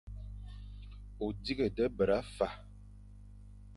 O dighé da bera fa.